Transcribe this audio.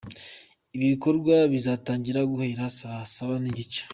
Ibikorwa bikazatangira guhera saa saba n’igice.